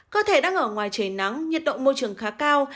cơ thể đang ở ngoài trời nắng nhiệt độ môi trường khá cao